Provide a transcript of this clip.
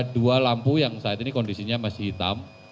dua lampu yang saat ini kondisinya masih hitam